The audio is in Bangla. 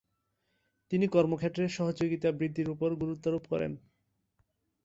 তিনি কর্মক্ষেত্রে সহযোগিতা বৃদ্ধির ওপর গুরুত্বরোপ করেন।